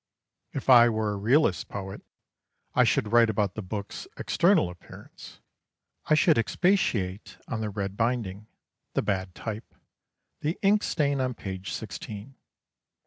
If I were a realist poet, I should write about the book's external appearance. I should expatiate on the red binding, the bad type, the ink stain on page sixteen.